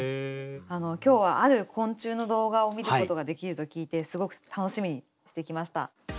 今日はある昆虫の動画を観ることができると聞いてすごく楽しみにしてきました。